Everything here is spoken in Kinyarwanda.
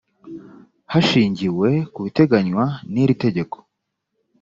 hashingiwe ku biteganywa n iri tegeko